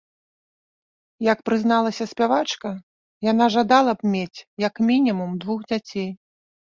Як прызналася спявачка, яна жадала б мець як мінімум двух дзяцей.